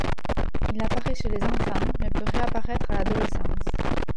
Il apparaît chez les enfants mais peut réapparaître à l'adolescence.